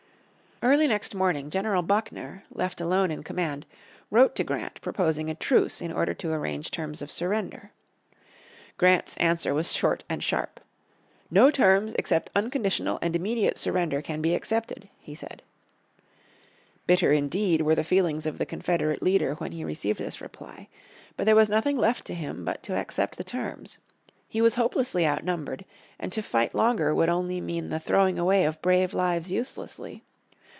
Early next morning General Buckner, left alone in command, wrote to Grant proposing a truce in order to arrange terms of surrender. Grant's answer was short and sharp. "No terms except unconditional and immediate surrender can be accepted," he said. Bitter indeed were the feelings of the Confederate leader when he received this reply. But there was nothing left to him but to accept the terms. He was hopelessly outnumbered, and to fight longer would only mean the throwing away of brave lives uselessly.